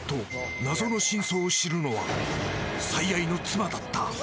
謎の真相を知るのは最愛の妻だった。